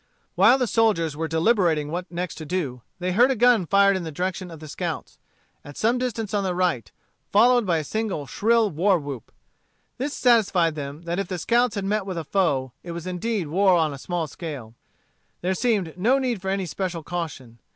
While the soldiers were deliberating what next to do, they heard a gun fired in the direction of the scouts, at some distance on the right, followed by a single shrill war whoop. This satisfied them that if the scouts had met with a foe, it was indeed war on a small scale. There seemed no need for any special caution.